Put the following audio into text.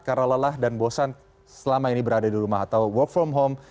karena lelah dan bosan selama ini berada di rumah atau work from home